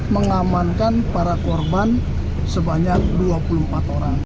mengamankan para korban sebanyak dua puluh empat orang